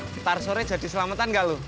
ntar sore jadi selamatan gak lu